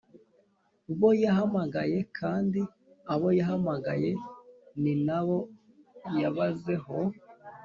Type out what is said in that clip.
Bo yahamagaye kandi abo yahamagaye ni na bo yabazeho